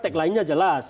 tek lainnya jelas